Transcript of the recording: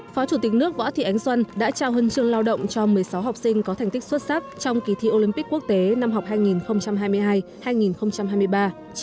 phó chủ tịch nước võ thị ánh xuân đã trao hân trường lao động cho một mươi sáu học sinh có thành tích xuất sắc trong kỳ thi olympic quốc tế năm học hai nghìn hai mươi hai hai nghìn hai mươi ba